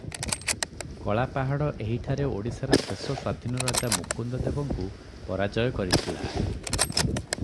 କଳାପାହାଡ଼ ଏହିଠାରେ ଓଡ଼ିଶାର ଶେଷ ସ୍ୱାଧୀନରାଜା ମୁକୁନ୍ଦଦେବଙ୍କୁ ପରାଜୟ କରିଥିଲା ।